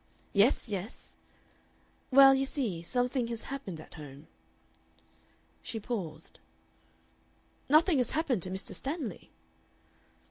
"Yes, yes." "Well, you see, something has happened at home." She paused. "Nothing has happened to Mr. Stanley?"